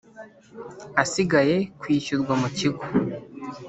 asigaye kwishyurwa mu kigo